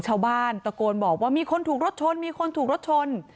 ตะโกนบอกว่ามีคนถูกรถชน